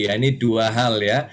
ya ini dua hal ya